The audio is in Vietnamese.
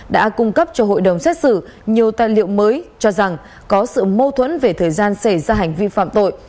đã cung cấp cho hội đồng xét xử nhiều tài liệu mới cho rằng có sự mâu thuẫn về thời gian xảy ra hành vi phạm tội